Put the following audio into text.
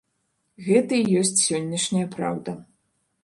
Гэта і ёсць сённяшняя праўда.